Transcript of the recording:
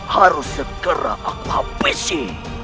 harus segera aku hape si